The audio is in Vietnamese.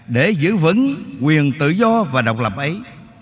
để giữ vững quyền tự do và độc lập ấy